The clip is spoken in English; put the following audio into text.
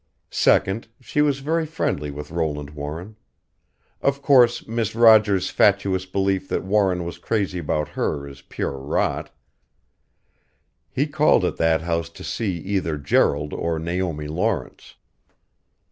Second, she was very friendly with Roland Warren. Of course, Miss Rogers' fatuous belief that Warren was crazy about her is pure rot: he called at that house to see either Gerald or Naomi Lawrence.